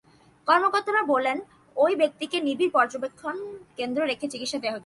কর্মকর্তারা বলেন, ওই ব্যক্তিকে নিবিড় পরিচর্যা কেন্দ্রে রেখে চিকিৎসা দেওয়া হচ্ছিল।